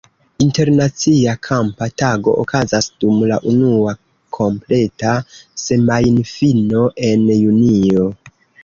Internacie kampa tago okazas dum la unua kompleta semajnfino en junio.